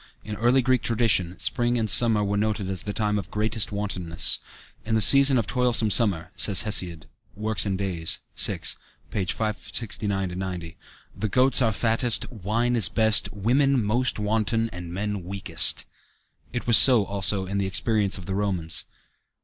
In early Greek tradition, spring and summer were noted as the time of greatest wantonness. "In the season of toilsome summer," says Hesiod (Works and Days, xi, 569 90), "the goats are fattest, wine is best, women most wanton, and men weakest." It was so, also, in the experience of the Romans.